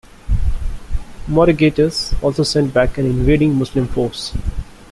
Mauregatus also sent back an invading Muslim force.